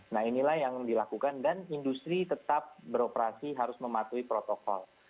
nah inilah yang dilakukan dan industri tetap beroperasi harus mematuhi protokol